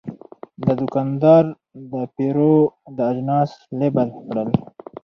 دا دوکاندار د پیرود اجناس لیبل کړل.